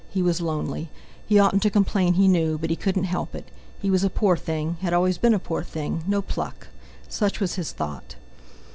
He was lonely! He oughtn't to complain, he knew, but he couldn't help it: He was a poor thing—had always been a poor thing—no pluck! Such was his thought.